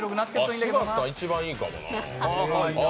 柴田さん、一番いいかもな。